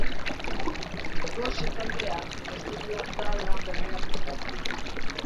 Gose taldea estudioan da lan berria prestatzen.